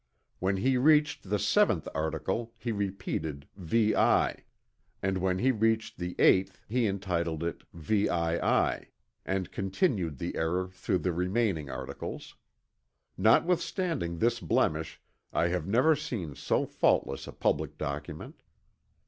When he reached the seventh article he repeated VI. and when he reached the eighth he entitled it VII. and continued the error through the remaining articles. Notwithstanding this blemish I have never seen so faultless a public document.